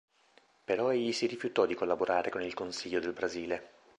Però egli si rifiutò di collaborare con il Consiglio del Brasile.